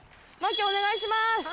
麻貴お願いします！